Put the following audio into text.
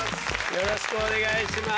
よろしくお願いします。